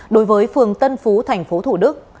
đối với phường tân phú tp thủ đức